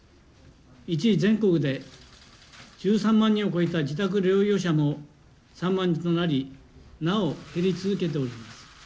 一時、全国で１３万人を超えた自宅療養者も３万人となり、なお減り続けております。